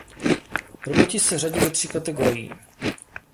Roboti se řadí do tří kategorií.